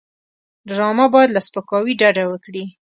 ډرامه باید له سپکاوي ډډه وکړي